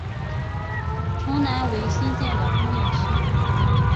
城南为新建的工业区。